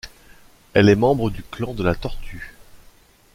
Elle est membre du Clan de la Tortue.